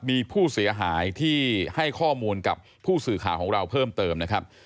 มีผู้เสียหายที่ให้ข้อมูลกับผู้สื่อข่าวของเราเพิ่มเติมนะครับ